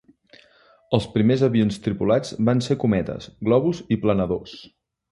Els primers avions tripulats van ser cometes, globus i planadors.